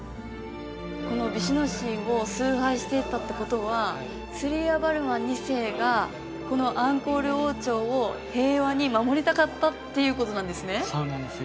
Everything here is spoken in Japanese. このヴィシュヌ神を崇拝していたってことはスーリヤヴァルマン２世がこのアンコール王朝を平和に守りたかったっていうことなんですねそうなんですよ